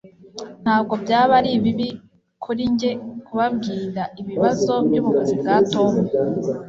Ntabwo byaba ari bibi kuri njye kubabwira ibibazo byubuvuzi bwa Tom